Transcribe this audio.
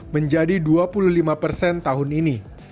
menjadi dua puluh lima persen tahun ini